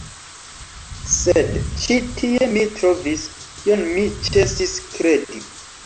Sed ĉi tie mi trovis, kion mi ĉesis kredi.